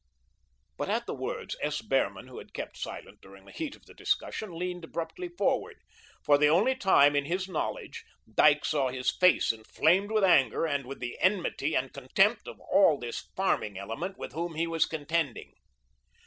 But at the words, S. Behrman, who had kept silent during the heat of the discussion, leaned abruptly forward. For the only time in his knowledge, Dyke saw his face inflamed with anger and with the enmity and contempt of all this farming element with whom he was contending.